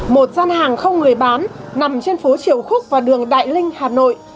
một gian hàng không người bán nằm trên phố triều khúc và đường đại linh hà nội